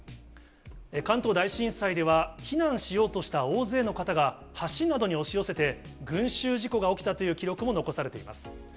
関東大震災では、避難しようとした大勢の方が橋などに押し寄せて、群集事故が起きたという記録も残されています。